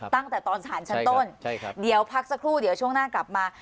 ตั้งแต่ตอนสารชั้นต้นเดี๋ยวพักสักครู่เดี๋ยวช่วงหน้ากลับมา